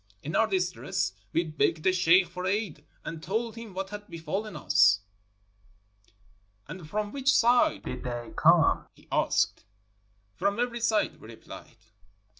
In our distress, we begged the sheikh for aid and told him what had befallen us. " 'And from which side did they come? ' he asked. "'From every side,' we replied.